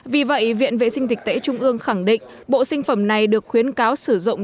vì vậy viện vệ sinh dịch tễ trung ương khẳng định bộ sinh phẩm này được khuyến cáo sử dụng